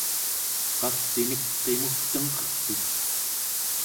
qavcinek qimugtengqercit?